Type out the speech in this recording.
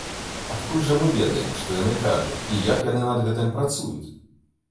Адкуль жа мы ведаем, што яны кажуць і як яны над гэтым працуюць?